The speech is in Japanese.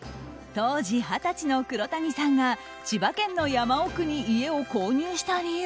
当時二十歳の黒谷さんが千葉県の山奥に家を購入した理由。